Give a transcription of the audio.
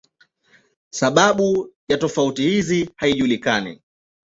Sababu ya tofauti hizi haijulikani.